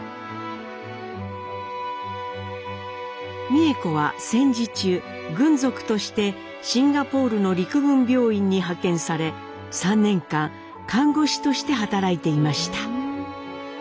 美枝子は戦時中軍属としてシンガポールの陸軍病院に派遣され３年間看護師として働いていました。